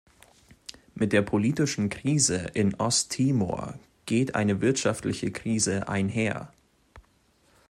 Mit der politischen Krise in Osttimor geht eine wirtschaftliche Krise einher.